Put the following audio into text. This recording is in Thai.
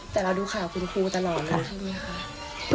แต่เราดูข่าวคุณครูตลอดแล้วใช่ไหมคะ